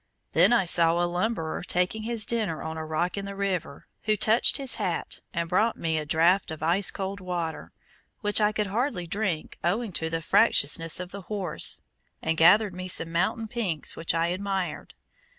Then I saw a lumberer taking his dinner on a rock in the river, who "touched his hat" and brought me a draught of ice cold water, which I could hardly drink owing to the fractiousness of the horse, and gathered me some mountain pinks, which I admired.